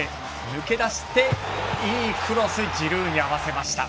抜け出していいクロス、ジルーに合わせた。